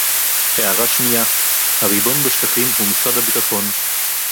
הערה שנייה: הריבון בשטחים הוא משרד הביטחון